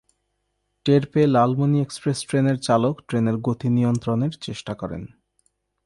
টের পেয়ে লালমনি এক্সপ্রেস ট্রেনের চালক ট্রেনের গতি নিয়ন্ত্রণের চেষ্টা করেন।